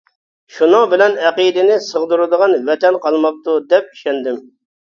شۇنىڭ بىلەن ئەقىدىنى سىغدۇرىدىغان ۋەتەن قالماپتۇ، دەپ ئىشەندىم.